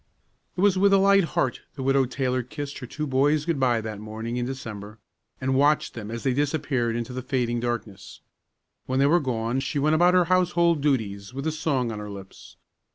It was with a light heart that the Widow Taylor kissed her two boys good by that morning in December, and watched them as they disappeared into the fading darkness. When they were gone she went about her household duties with a song on her lips.